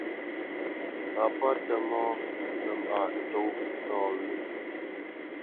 Papá Tə́mɔ́ nə́ mbâʼ tó nɔwyə́.